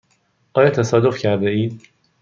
آیا تصادف کرده اید؟